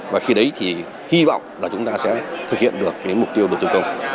và khi đấy thì hy vọng là chúng ta sẽ thực hiện được mục tiêu đầu tư công